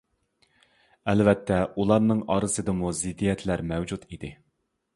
ئەلۋەتتە، ئۇلارنى ئارىسىدىمۇ زىددىيەتلەر مەۋجۇت ئىدى.